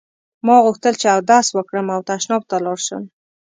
ما غوښتل چې اودس وکړم او تشناب ته لاړ شم.